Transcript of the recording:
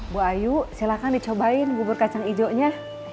bu ayu silahkan dicobain bubur kacang ijo nya